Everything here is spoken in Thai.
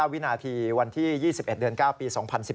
วินาทีวันที่๒๑เดือน๙ปี๒๐๑๘